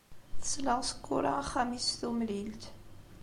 Tesleɣ Sekkura axxam-is s tumlilt.